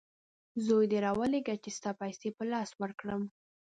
زوی دي راولېږه چې ستا پیسې په لاس ورکړم!